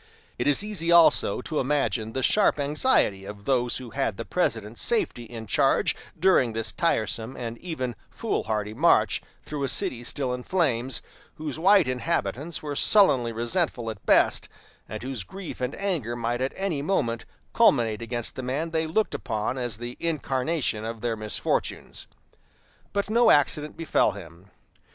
It is easy also to imagine the sharp anxiety of those who had the President's safety in charge during this tiresome and even foolhardy march through a city still in flames, whose white inhabitants were sullenly resentful at best, and whose grief and anger might at any moment culminate against the man they looked upon as the incarnation of their misfortunes. But no accident befell him.